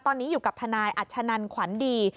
ตอนนี้อยู่กับทนายอัชนันขวัญดี